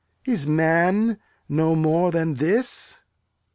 Is man no more than this?